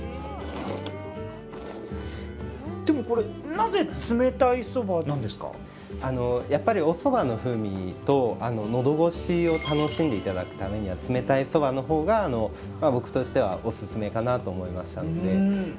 でもこれやっぱりおそばの風味とのどごしを楽しんでいただくためには冷たいそばのほうが僕としてはおすすめかなと思いましたので。